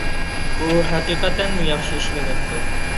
ئۇ ھەقىقەتەنمۇ ياخشى ئىشلىنىپتۇ.